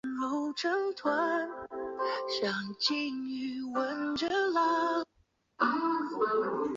事后中国驻英国大使馆表示要求会议组织者向记者道歉。